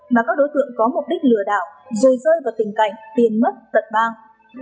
mà các đối tượng có mục đích lừa đảo rơi rơi vào tình cảnh tiền mất tận bang